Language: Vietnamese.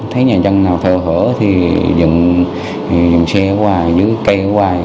thấy nhà dân nào thơ hở thì dựng xe hoài dưới cây hoài